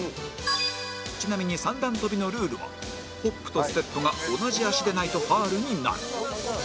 ちなみに三段跳びのルールはホップとステップが同じ足でないとファウルになる